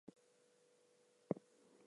A handful of grain is sprinkled over a stone.